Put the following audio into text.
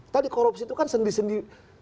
tadi korupsi itu kan sendi sendi